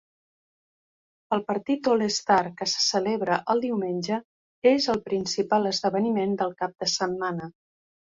El partit All-Star, que se celebra el diumenge, és el principal esdeveniment del cap de setmana.